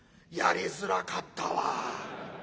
やりづらかったわ。